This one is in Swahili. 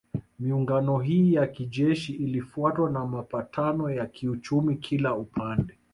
Miungano hii ya kijeshi ilifuatwa na mapatano ya kiuchumi kila upande